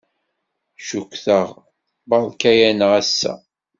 Cukkteɣ beṛka-aneɣ ass-a.